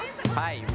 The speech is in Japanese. はい。